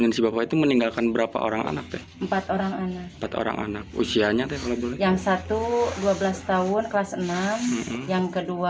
yang ketiga tiga tahun yang keempat delapan bulan